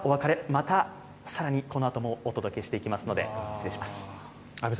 また更にこのあともお届けしていきますので。